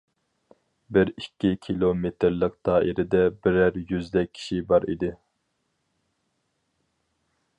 بىر ئىككى كىلومېتىرلىق دائىرىدە بىرەر يۈزدەك كىشى بار ئىدى.